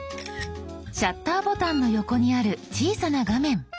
シャッターボタンの横にある小さな画面。